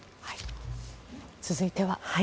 続いては。